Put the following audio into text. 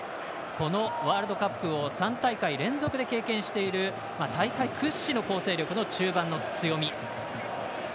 このワールドカップを３大会連続で経験している大会屈指の構成力の中盤の強み。